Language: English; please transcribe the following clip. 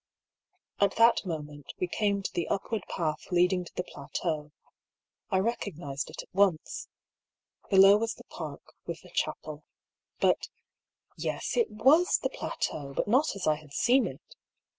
At that moment we came to the upward path leading to the plateau. I recognised it at once. Below was the park, with the chapel. But — yes, it was the plateau, but not as I had seen it.